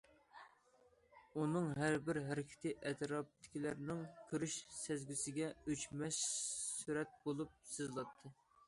ئۇنىڭ ھەربىر ھەرىكىتى ئەتراپتىكىلەرنىڭ كۆرۈش سەزگۈسىگە ئۆچمەس سۈرەت بولۇپ سىزىلاتتى.